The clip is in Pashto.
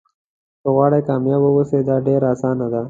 که غواړئ کامیابه واوسئ دا ډېره اسانه ده.